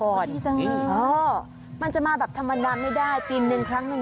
พอดีจังเลยอ๋อมันจะมาแบบธรรมดาไม่ได้ปีนึงครั้งหนึ่ง